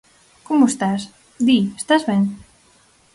¿Como estás, di, estás ben?